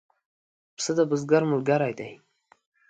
پسه د بزګر ملګری دی.